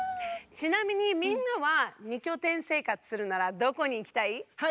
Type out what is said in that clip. ちなみにみんなは二拠点生活するならどこにいきたい？